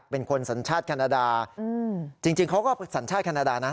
เป็นคนสัญชาติแคนาดาจริงเขาก็สัญชาติแคนาดานะ